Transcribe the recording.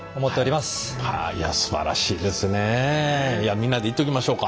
みんなでいっときましょうか。